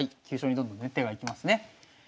急所にどんどんね手が行きますね。